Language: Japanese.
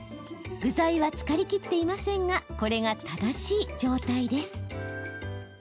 具材はつかりきっていませんがこれが正しい状態です。